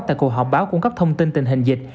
tại cuộc họp báo cung cấp thông tin tình hình dịch